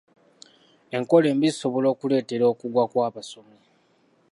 Enkola embi zisobola okuleetera okugwa kw'abasomi.